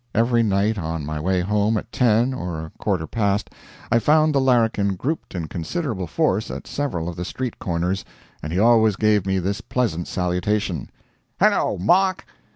Every night, on my way home at ten, or a quarter past, I found the larrikin grouped in considerable force at several of the street corners, and he always gave me this pleasant salutation: "Hello, Mark!"